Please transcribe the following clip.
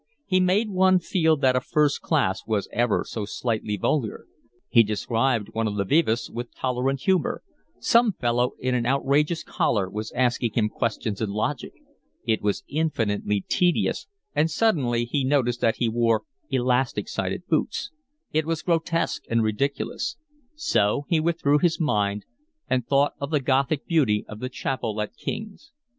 He made one feel that a first class was ever so slightly vulgar. He described one of the vivas with tolerant humour; some fellow in an outrageous collar was asking him questions in logic; it was infinitely tedious, and suddenly he noticed that he wore elastic sided boots: it was grotesque and ridiculous; so he withdrew his mind and thought of the gothic beauty of the Chapel at King's.